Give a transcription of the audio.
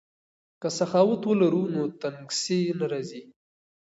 که سخاوت ولرو نو تنګسي نه راځي.